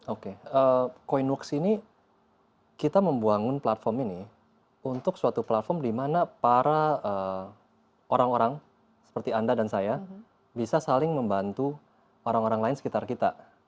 oke coinworks ini kita membangun platform ini untuk suatu platform di mana para orang orang seperti anda dan saya bisa saling membantu orang orang lain sekitar kita